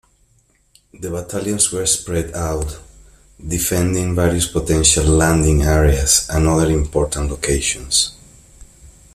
The battalions were spread out defending various potential landing areas and other important locations.